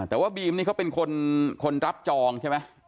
แต่ว่าบีมนี่เขาเป็นคนรับจองใช่ไหม